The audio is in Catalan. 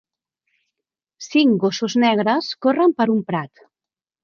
Cinc gossos negres corren per un prat.